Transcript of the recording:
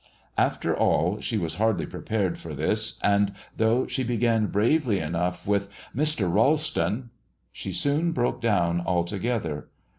After all, she was hardly prepared for this, and though she began bravely enough with, "Mr. Ralston," she soon broke down altogether.